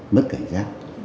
mất cảnh giác